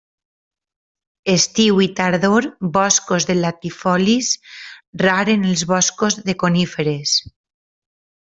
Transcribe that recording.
Estiu i tardor, boscos de latifolis, rar en els boscos de coníferes.